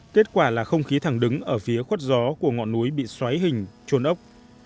kết quả là không khí thẳng đứng ở phía khuất gió của ngọn núi bị xoáy hình trôn ốc